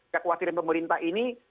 kekhawatiran pemerintah ini